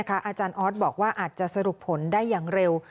อาจารย์ออสบอกว่าอาจจะสรุปผลได้อย่างเร็ว